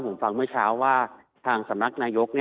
ผมฟังเมื่อเช้าว่าทางสำนักนายก